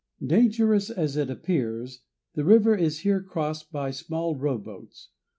Dangerous as it appears, the river is here crossed by small rowboats.